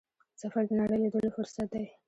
سفر د نړۍ لیدلو فرصت دی.